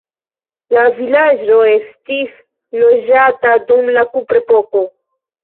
La vilaĝo estis loĝata dum la kuprepoko.